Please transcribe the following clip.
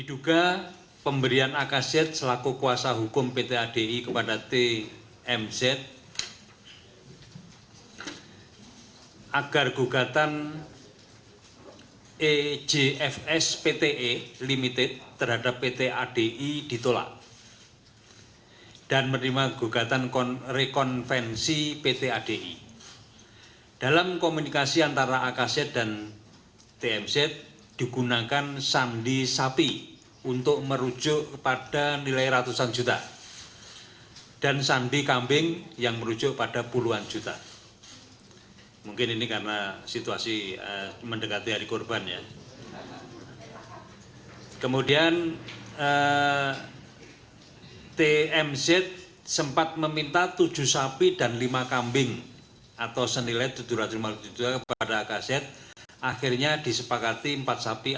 agus mengatakan bahwa tidak ada toleransi bagi pegawai pengadilan yang terlibat kasus pidana dan gratifikasi